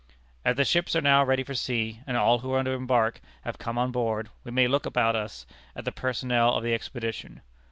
As the ships are now ready for sea, and all who are to embark have come on board, we may look about us at the personnel of the expedition.